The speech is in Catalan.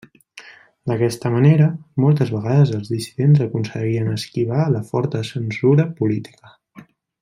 D'aquesta manera, moltes vegades els dissidents aconseguien esquivar la forta censura política.